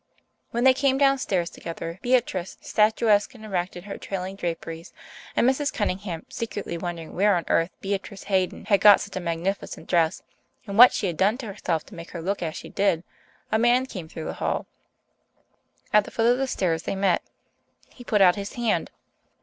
When they came downstairs together, Beatrice, statuesque and erect in her trailing draperies, and Mrs. Cunningham secretly wondering where on earth Beatrice Hayden had got such a magnificent dress and what she had done to herself to make her look as she did a man came through the hall. At the foot of the stairs they met. He put out his hand.